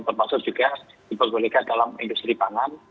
termasuk juga diperbolehkan dalam industri pangan